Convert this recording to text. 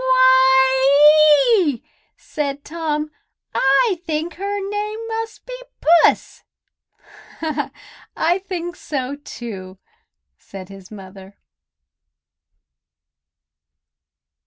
"Why ee!" said Tom. "I think her name must be Puss." "I think so, too," said his mother.